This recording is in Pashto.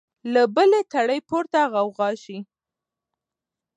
له بلي تړي پورته غوغا سي